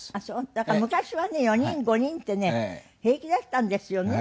だから昔はね４人５人ってね平気だったんですよね。